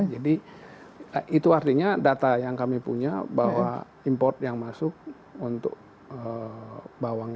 jadi itu artinya data yang kami punya bahwa import yang masuk untuk bawang ini